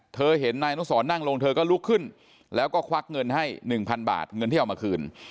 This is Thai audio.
เธอเห็นนายอนุสรนั่งลงเธอก็ลุกขึ้นแล้วก็ควักเงินให้๑๐๐๐บาทเงินที่เอามาคืน